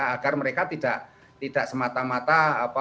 agar mereka tidak semata mata